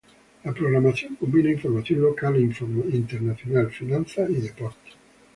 La programación combina información local e internacional, finanzas y deportes.